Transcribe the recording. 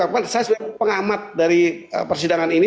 pengamat dari persidangan ini